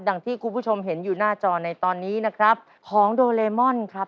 อย่างที่คุณผู้ชมเห็นอยู่หน้าจอในตอนนี้นะครับของโดเลมอนครับ